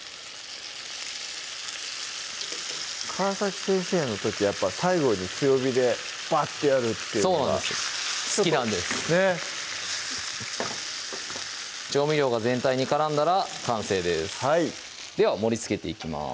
川先生の時やっぱ最後に強火でバッてやるっていうのがそうなんです好きなんですねっ調味料が全体に絡んだら完成ですはいでは盛りつけていきます